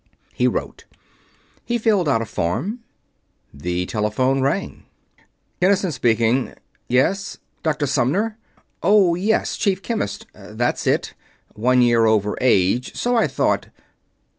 He wrote. He filled out a form. The telephone rang. "Kinnison speaking ... yes ... Dr. Sumner? Oh, yes, Chief Chemist.... That's it one year over age, so I thought....